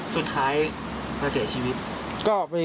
สุดท้ายมาเสียชีวิต